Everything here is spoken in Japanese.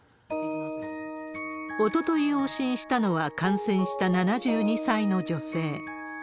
おととい往診したのは、感染した７２歳の女性。